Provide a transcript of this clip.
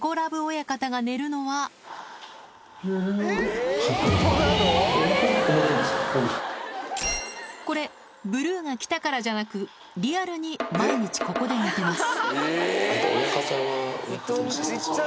親方が寝るのはこれブルーが来たからじゃなくリアルに毎日ここで寝てます